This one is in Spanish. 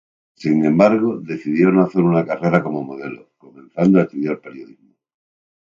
Sin embargo decidió no hacer una carrera como modelo, comenzando a estudiar periodismo.